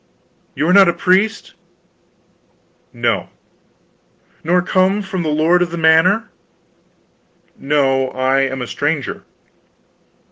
"You are not a priest?" "No." "Nor come not from the lord of the manor?" "No, I am a stranger."